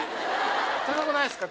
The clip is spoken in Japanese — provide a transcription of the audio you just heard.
高くないっすか？